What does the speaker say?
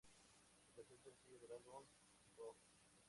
El tercer sencillo del álbum, "Go!